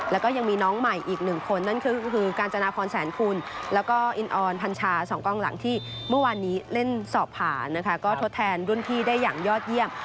แล้วก็ยังมีน้องใหม่อีกหนึ่งคนนั่นก็คือการจนาพรแสนคุณแล้วก็อินออนพัญชา๒กล้องหลังที่เมื่อวานนี้เล่นสอบผ่านนะคะก็ทดแทนรุ่นพี่ได้อย่างยอดเยี่ยม